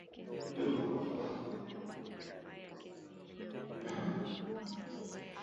Katiba hiyo ilipata umuhimu tangu mwaka elfu moja mia tisa themanini na tisa wakati